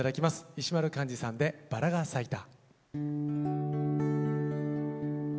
石丸幹二さんで「バラが咲いた」。